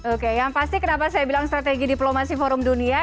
oke yang pasti kenapa saya bilang strategi diplomasi forum dunia